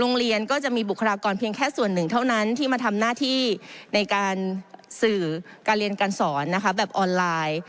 โรงเรียนก็จะมีบุคลากรเพียงแค่ส่วนหนึ่งเท่านั้นที่มาทำหน้าที่ในการสื่อการเรียนการสอนนะคะแบบออนไลน์